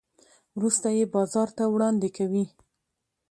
وروسته یې بازار ته وړاندې کوي.